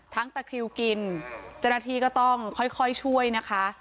ทั้งตะคริวกินจนาทีก็ต้องค่อยช่วยนะคะ